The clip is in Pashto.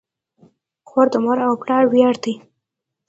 خور د مور او پلار ویاړ ده.